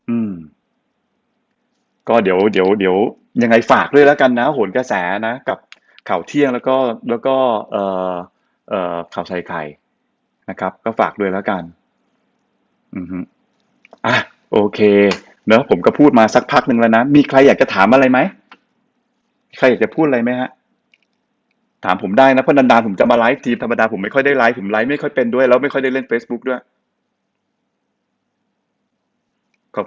อืมก็เดี๋ยวเดี๋ยวเดี๋ยวยังไงฝากด้วยแล้วกันนะโหนกระแสนะกับข่าวเที่ยงแล้วก็แล้วก็เอ่อข่าวใส่ไข่นะครับก็ฝากด้วยแล้วกันอืมอ่ะโอเคเนอะผมก็พูดมาสักพักนึงแล้วนะมีใครอยากจะถามอะไรไหมใครอยากจะพูดอะไรไหมฮะถามผมได้นะเพราะนันดาผมจะมาไลฟ์ทีมธรรมดาผมไม่ค่อยได้ไลฟ์ผมไลฟ์ไม่ค่อยเป็นด้วยแล้วไม่ค่อยได้เล่นเฟซบุ๊กด้วย